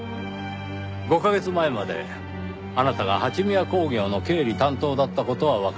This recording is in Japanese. ５カ月前まであなたが八宮工業の経理担当だった事はわかっています。